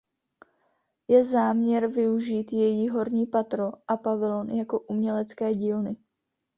Je záměr využít její horní patro a pavilon jako umělecké dílny.